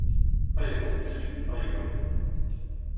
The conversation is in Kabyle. Ṭayland mačči d Ṭaywan.